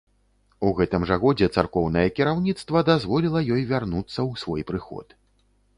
У гэтым жа годзе царкоўнае кіраўніцтва дазволіла ёй вярнуцца ў свой прыход.